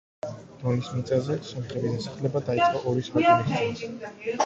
დონის მიწაზე სომხების დასახლება დაიწყო ორი საუკუნის წინ.